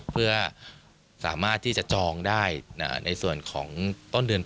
เพื่อสามารถที่จะจองได้ในส่วนของต้นเดือน